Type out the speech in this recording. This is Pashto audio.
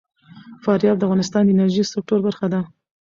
فاریاب د افغانستان د انرژۍ سکتور برخه ده.